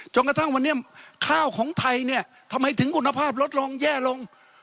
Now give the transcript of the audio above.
กระทั่งวันนี้ข้าวของไทยเนี่ยทำไมถึงคุณภาพลดลงแย่ลง